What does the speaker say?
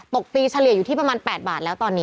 ตกตีเฉลี่ยอยู่ที่ประมาณ๘บาทแล้วตอนนี้